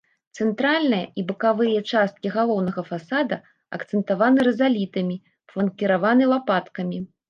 Цэнтральная і бакавыя часткі галоўнага фасада акцэнтаваны рызалітамі, фланкіраваны лапаткамі.